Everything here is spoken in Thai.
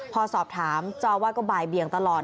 พอสอบถามเจ้าอาวาสก็บ่ายเบียงตลอด